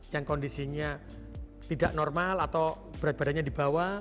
yang kondisinya tidak normal atau berat badannya di bawah